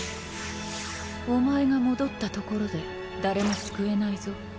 お前が戻ったところで誰も救えないぞ。